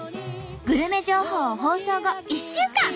グルメ情報を放送後１週間配信中！